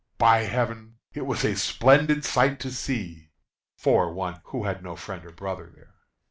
"By Heaven! it was a splendid sight to see, For one who had no friend or brother there."